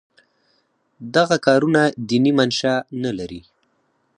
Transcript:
دغه کارونه دیني منشأ نه لري.